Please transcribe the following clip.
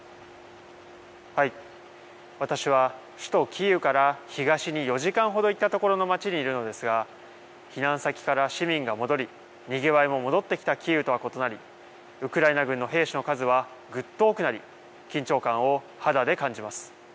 私は首都キーウから東に４時間ほど行った所の町にいるのですが、避難先から市民が戻り、にぎわいも戻ってきたキーウとは異なり、ウクライナ軍の兵士の数はぐっと多くなり、緊張感を肌で感じます。